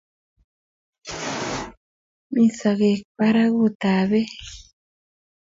Mi sogeek barak utap beek